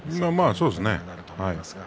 そうですね。